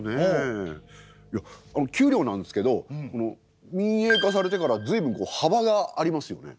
いや給料なんですけど民営化されてからずいぶんはばがありますよね。